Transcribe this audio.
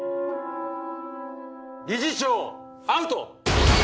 理事長アウト！